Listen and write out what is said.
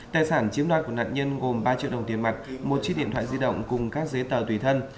tài sản chiếm đoạt của nạn nhân gồm ba triệu đồng tiền mặt một chiếc điện thoại di động cùng các giấy tờ tùy thân